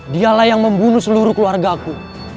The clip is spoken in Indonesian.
dialah yang membunuh seluruh keluarga aku